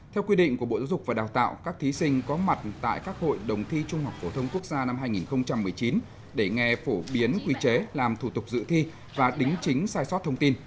theo quy định của bộ giáo dục và đào tạo các thí sinh có mặt tại các hội đồng thi trung học phổ thông quốc gia năm hai nghìn một mươi chín để nghe phổ biến quy chế làm thủ tục dự thi và đính chính sai sót thông tin